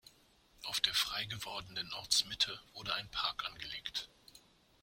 Auf der frei gewordenen Ortsmitte wurde ein Park angelegt.